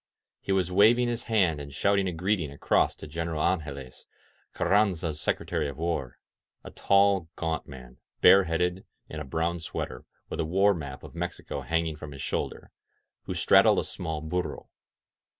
He was wav ing his hand and shouting a greeting across to Gkneral Angeles, Carranza's Secretary of War — a tall, gaunt man, bareheaded, in a brown sweater, with a war map of Mexico hanging from his shoulder ; who straddled a small burro.